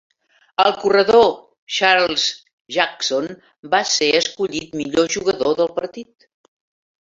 El corredor Charles Jackson va ser escollit millor jugador del partit.